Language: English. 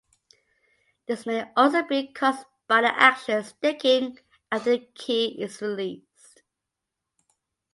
This may also be caused by the action sticking after the key is released.